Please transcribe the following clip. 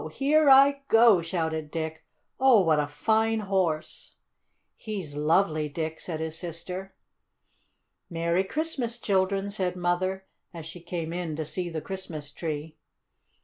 Here I go!" shouted Dick. "Oh, what a fine horse!" "He's lovely, Dick," said his sister. "Merry Christmas, children!" said Mother, as she came in to see the Christmas tree.